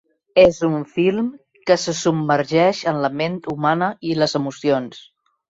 És un film que se submergeix en la ment humana i les emocions.